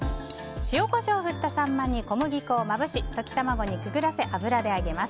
塩、コショウを振ったサンマに小麦粉をまぶし溶き卵にくぐらせ油で揚げます。